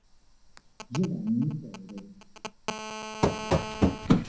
Giovanni Pérez